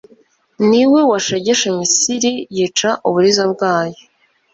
Ni we washegeshe Misiri yica uburiza bwayo